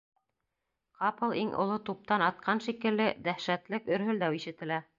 Ҡапыл иң оло туптан атҡан шикелле дәһшәтле гөрһөлдәү ишетелә.